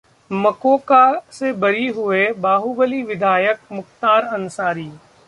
मकोका से बरी हुए बाहुबली विधायक मुख्तार अंसारी